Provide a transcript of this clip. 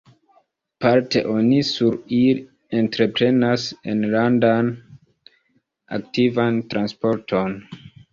Parte oni sur ili entreprenas enlandan akvan transporton.